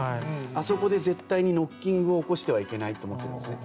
あそこで絶対にノッキングを起こしてはいけないと思ってるんですね。